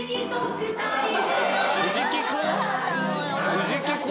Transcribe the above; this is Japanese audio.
藤木君？